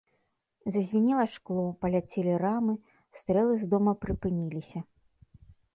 Зазвінела шкло, паляцелі рамы, стрэлы з дома прыпыніліся.